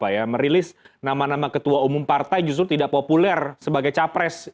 merilis nama nama ketua umum partai justru tidak populer sebagai capres